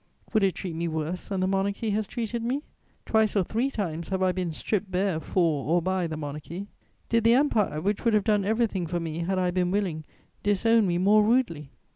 "Would it treat me worse than the Monarchy has treated me? Twice or three times have I been stripped bare for or by the Monarchy: did the Empire, which would have done everything for me had I been willing, disown me more rudely?